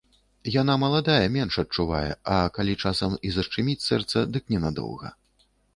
Яна маладая, менш адчувае, а калі часам і зашчыміць сэрца, дык ненадоўга.